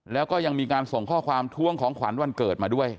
แล้วก็ยังมีการส่งข้อความท้วงของขวัญวันเกิดมาด้วย